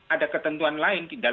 ada ketentuan lain